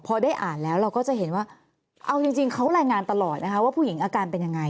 พอได้อ่านแล้วเราก็จะเห็นว่าเอาจริงเขารายงานตลอดนะคะว่าผู้หญิงอาการเป็นยังไง